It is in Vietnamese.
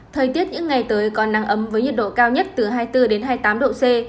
thời tiết những ngày tới còn nắng ấm với nhiệt độ cao nhất từ hai mươi bốn đến hai mươi tám độ c